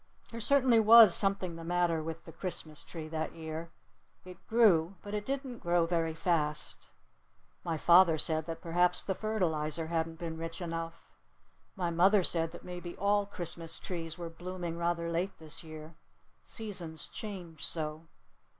There certainly was something the matter with the Christmas tree that year. It grew. But it didn't grow very fast. My father said that perhaps the fertilizer hadn't been rich enough. My mother said that maybe all Christmas trees were blooming rather late this year. Seasons changed so.